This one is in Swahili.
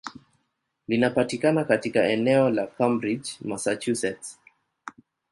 Linapatikana katika eneo la Cambridge, Massachusetts.